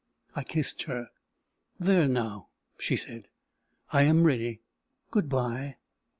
I kissed her. "There now!" she said, "I am ready. Good bye.